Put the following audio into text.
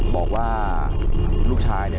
บอกว่าลูกชายเนี่ย